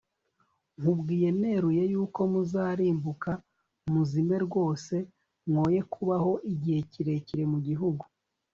nkubwiye neruye yuko muzarimbuka, muzime rwose, mwoye kubaho igihe kirekire mu gihugu